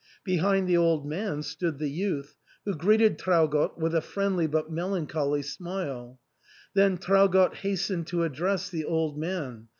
Be hind the old man stood the youth, who greeted Trau gott with a friendly but melancholy smile. Then Traugott hastened to address the old man.